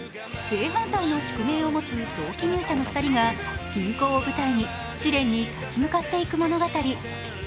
正反対の宿命を持つ同期入社の２人が銀行を舞台に試練に立ち向かっていく物語。